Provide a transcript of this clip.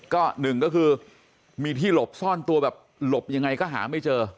ก็หนึ่งก็คือมีที่หลบซ่อนตัวแบบหลบยังไงก็หาไม่เจอ